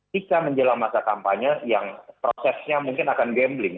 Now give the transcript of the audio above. jika menjelang masa kampanye yang prosesnya mungkin akan gambling